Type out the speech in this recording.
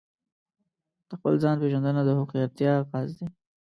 د خپل ځان پیژندنه د هوښیارتیا آغاز دی.